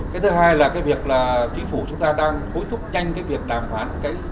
cái thứ hai là quý phủ chúng ta đang hối thúc nhanh việc đàm phán